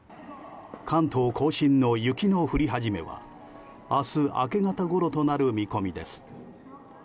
関東・甲信の雪の降り始めは明日、明け方ごろとなる見込みです。